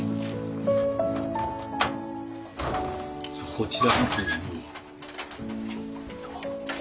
こちらの方に。